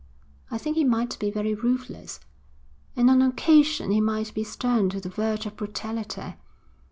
I think he might be very ruthless, and on occasion he might be stern to the verge of brutality.